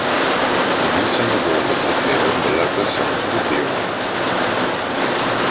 Denise and their daughters appear in the latter song's video.